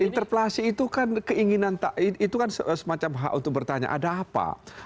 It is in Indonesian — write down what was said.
interpelasi itu kan keinginan itu kan semacam hak untuk bertanya ada apa